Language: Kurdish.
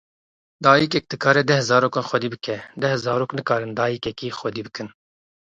Dayîkek dikare deh zarokan xwedî bike, deh zarok nikarin dayîkekê xwedî bikin.